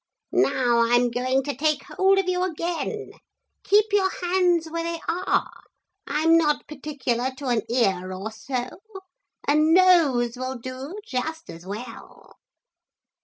Now I am going to take hold of you again. Keep your hands where they are. I'm not particular to an ear or so. A nose will do just as well.'